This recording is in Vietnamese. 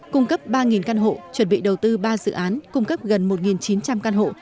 cung cấp ba căn hộ chuẩn bị đầu tư ba dự án cung cấp gần một chín trăm linh căn hộ